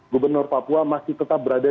gubernur papua masih tetap berada